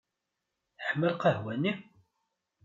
Teḥma lqahwa-nni?